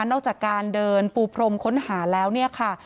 นอกจากการเดินปูพรมค้นหาแล้วเนี่ยค่ะ